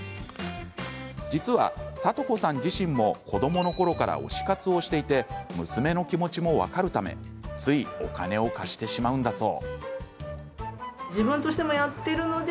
実は、聡子さん自身も子どものころから推し活をしていて娘の気持ちも分かるためついお金を貸してしまうんだそう。